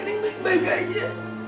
nenek baik baik aja